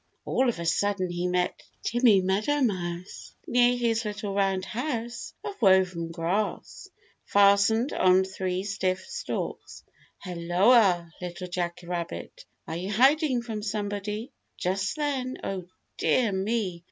All of a sudden he met Timmy Meadowmouse near his little round house of woven grass, fastened on three stiff stalks. "Helloa, Little Jack Rabbit. Are you hiding from somebody?" Just then, oh dear me!